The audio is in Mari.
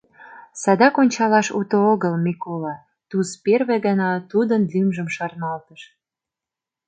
— Садак ончалаш уто огылМикола, — Туз первый гана тудын лӱмжым шарналтыш.